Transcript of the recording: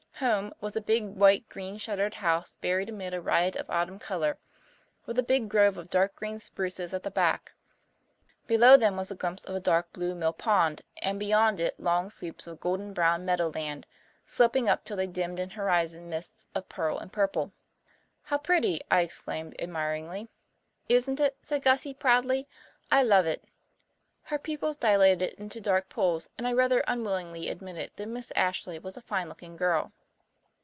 "Home" was a big, white, green shuttered house buried amid a riot of autumn colour, with a big grove of dark green spruces at the back. Below them was a glimpse of a dark blue mill pond and beyond it long sweeps of golden brown meadow land, sloping up till they dimmed in horizon mists of pearl and purple. "How pretty," I exclaimed admiringly. "Isn't it?" said Gussie proudly. "I love it." Her pupils dilated into dark pools, and I rather unwillingly admitted that Miss Ashley was a fine looking girl.